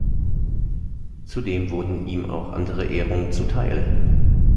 Zudem wurden ihm auch andere Ehrungen zuteil.